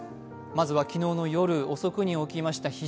まずは昨日の夜遅くに起きました